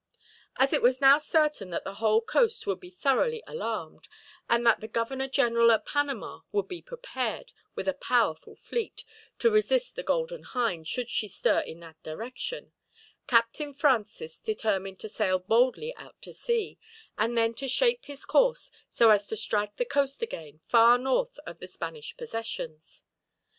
As it was now certain that the whole coast would be thoroughly alarmed, and the Governor General at Panama would be prepared, with a powerful fleet, to resist the Golden Hind should she stir in that direction, Captain Francis determined to sail boldly out to sea, and then to shape his course so as to strike the coast again, far north of the Spanish possessions.